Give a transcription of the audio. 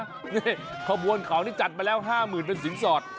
นี่ขบวนเขานี่จัดมาแล้ว๕๐๐๐เป็นสินสอด